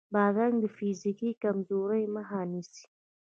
بادرنګ د فزیکي کمزورۍ مخه نیسي.